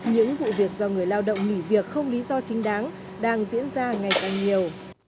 những vụ việc do người lao động nghỉ việc không lý do chính đáng đang diễn ra ngày càng nhiều